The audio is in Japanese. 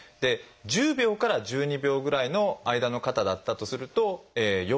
１０秒から１２秒ぐらいの間の方だったとすると要注意。